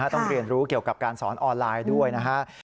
ต้องเรียนรู้เกี่ยวกับการสอนออนไลน์ด้วยนะฮะ